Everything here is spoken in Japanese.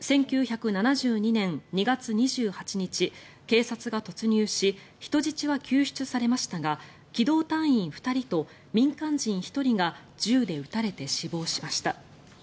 １９７２年２月２８日警察が突入し人質は救出されましたが機動隊員２人と民間人１人が銃で撃たれて死亡しました。